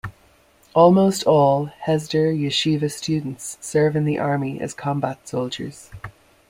Almost all Hesder Yeshiva students serve in the army as combat soldiers.